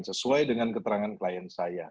sesuai dengan keterangan klien saya